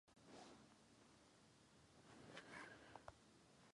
La portada de la fachada sur de la iglesia es de estilo renacentista.